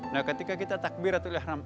nah ketika kita takbiratul ihram